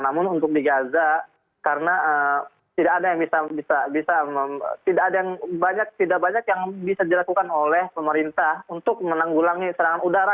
namun untuk di gaza karena tidak ada yang bisa tidak banyak yang bisa dilakukan oleh pemerintah untuk menanggulangi serangan udara